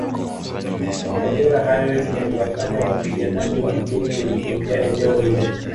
Makombora hayo yaliwafanya wapiganaji wa Amin kulikimbia eneo hilo